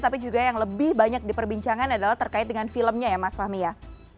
tapi juga yang lebih banyak diperbincangkan adalah terkait dengan filmnya ya mas fahmi ya